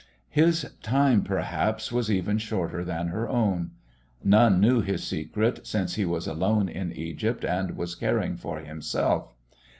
His time, perhaps, was even shorter than her own. None knew his secret, since he was alone in Egypt and was caring for himself.